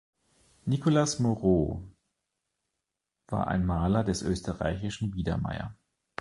Nikolaus Moreau war ein Maler des österreichischen Biedermeier.